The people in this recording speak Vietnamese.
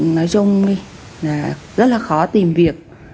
nói chung là rất là khó tìm việc